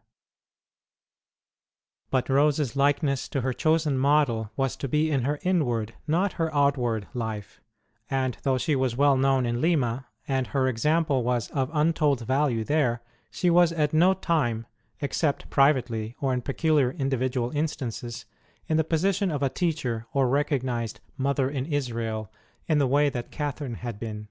ROSE OF LIMA But Rose s likeness to her chosen model was to be in her inward, not in her outward, life ; and though she was well known in Lima, and her example was of untold value there, she was at no time except privately or in peculiar individual instances in the position of a teacher or recognized Mother in Israel in the way that Catherine had been.